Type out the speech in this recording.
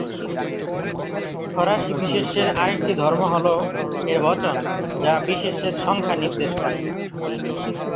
ফরাসি বিশেষ্যের আরেকটি ধর্ম হল এর বচন, যা বিশেষ্যের সংখ্যা নির্দেশ করে।